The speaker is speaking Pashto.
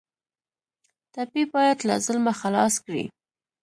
ټپي باید له ظلمه خلاص کړئ.